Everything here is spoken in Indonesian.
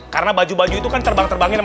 karena baju baju itu kan terbang terbangin